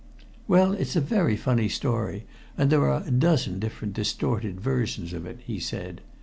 "Well, it's a very funny story, and there are a dozen different distorted versions of it," he said.